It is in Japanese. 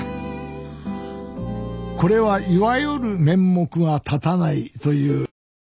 これはいわゆる「面目が立たない」というやつですな。